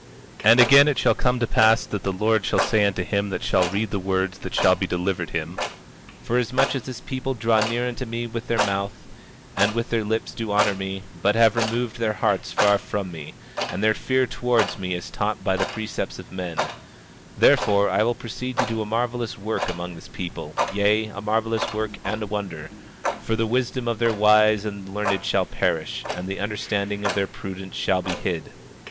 27:24 And again it shall come to pass that the Lord shall say unto him that shall read the words that shall be delivered him: 27:25 Forasmuch as this people draw near unto me with their mouth, and with their lips do honor me, but have removed their hearts far from me, and their fear towards me is taught by the precepts of men— 27:26 Therefore, I will proceed to do a marvelous work among this people, yea, a marvelous work and a wonder, for the wisdom of their wise and learned shall perish, and the understanding of their prudent shall be hid.